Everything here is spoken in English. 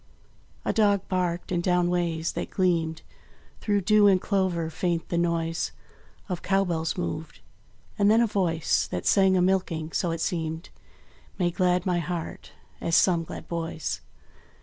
A dog barked; and down ways, that gleamed, Through dew and clover faint the noise Of cow bells moved. And then a voice, That sang a milking, so it seemed, Made glad my heart as some glad boy's.